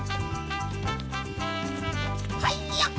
はいよ！